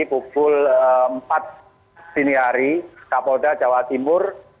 pukul empat sinihari kapolda jawa timur